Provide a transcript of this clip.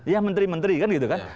ya menteri menteri kan gitu kan